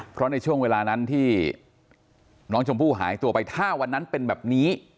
เพราะในช่วงเวลานั้นที่น้องชมพู่หายตัวไปถ้าวันนั้นเป็นแบบนี้